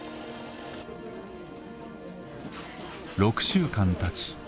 ６週間たち